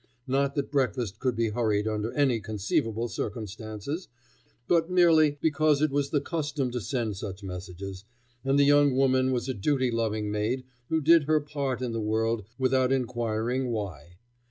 not that breakfast could be hurried under any conceivable circumstances, but merely because it was the custom to send such messages, and the young woman was a duty loving maid who did her part in the world without inquiring why.